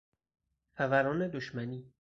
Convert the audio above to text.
فوران دشمنی